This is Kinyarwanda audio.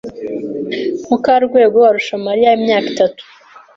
Mukarwego arusha Mariya imyaka itatu.